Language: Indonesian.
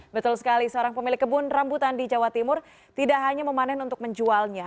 betul sekali seorang pemilik kebun rambutan di jawa timur tidak hanya memanen untuk menjualnya